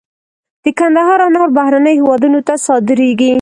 د کندهار انار بهرنیو هیوادونو ته صادریږي.